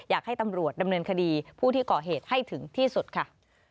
อยากให้ตำรวจดำเนินคดีผู้ที่ก่อเหตุให้ถึงที่สุดค่ะ